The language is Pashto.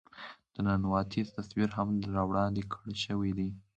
د ننواتې تصور هم را وړاندې کړے شوے دے.